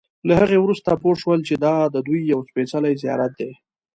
له هغې وروسته پوی شول چې دا ددوی یو سپېڅلی زیارت دی.